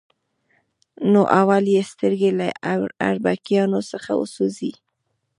نو اول یې سترګې له اربکیانو څخه سوځي.